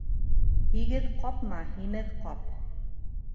Һигеҙ ҡапма, һимеҙ ҡап.